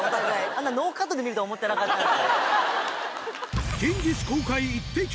あんなノーカットで見るとは思ってなかったんで。